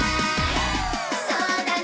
「そうだね？